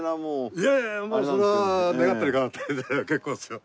いやいやいやもうそれは願ったりかなったりで結構ですよ。